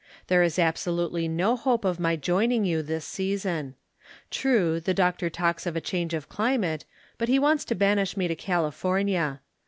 There is absolutely no hope of my joining you tliis season. True, the doctor talks of a change of climate, but he wants to banish me to Califor nia.